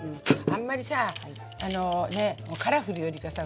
あんまりさカラフルよりかさ